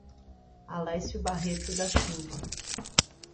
Alecio Barreto da Silva